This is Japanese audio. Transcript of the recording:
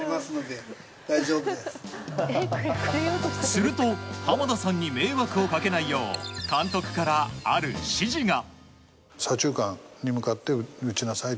すると濱田さんに迷惑をかけないよう監督から、ある指示が。